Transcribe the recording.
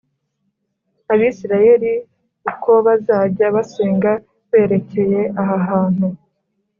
’abisirayeli, uko bazajya basenga berekeye aha hantu;